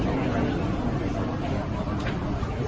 เป็นยังไงบ้างคะต่างหากหน้าลิ